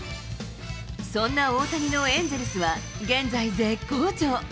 そんな大谷のエンゼルスは、現在絶好調。